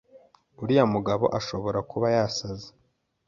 uriya mugabo ashobora kuba yasaze.